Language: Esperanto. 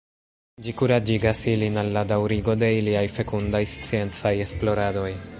Ĝi kuraĝigas ilin al la daŭrigo de iliaj fekundaj sciencaj esploradoj.